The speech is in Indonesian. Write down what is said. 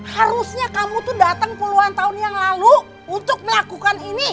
harusnya kamu tuh datang puluhan tahun yang lalu untuk melakukan ini